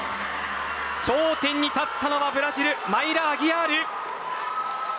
頂点に立ったのはブラジル、アギアール。